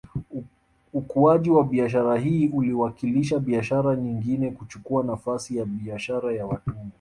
Ukuaji wa biashara hii uliwakilisha biashara nyengine kuchukua nafasi ya biashara ya watumwa